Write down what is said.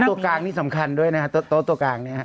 แล้วตัวกางที่สำคัญด้วยนะโต๊ะตัวกางนี้